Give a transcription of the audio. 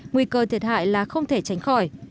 nguy cơ thiệt hại là không thể tránh khỏi